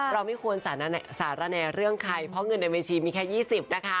ไม่ควรสารแนเรื่องใครเพราะเงินในบัญชีมีแค่๒๐นะคะ